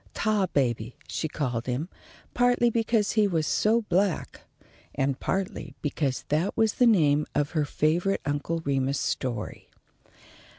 "Tarbaby" she called him, partly because he was so black, and partly because that was the name of her favourite Uncle Remus story.